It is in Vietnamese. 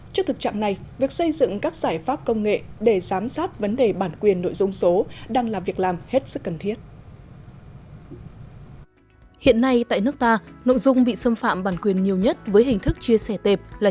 trước thực trạng này việc xây dựng các giải pháp công nghệ để giám sát vấn đề bản quyền nội dung số đang là việc làm hết sức cần thiết